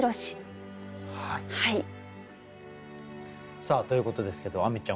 さあということですけど亜美ちゃん